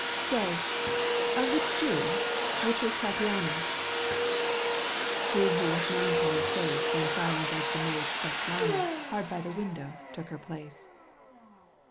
Say, of the two which was Tattiana ?"'" She who with melancholy face And silent as the maid Svetlana ^ Hard by the window took her place."